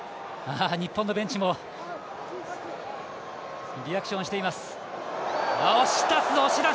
日本のベンチもリアクションしています。